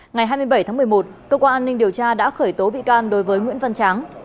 ngày hai mươi bảy tháng một mươi một cơ quan an ninh điều tra đã khởi tố bị can đối với nguyễn văn tráng